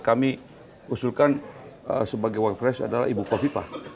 kami usulkan sebagai wakil pres adalah ibu kofi pak